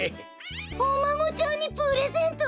おまごちゃんにプレゼント？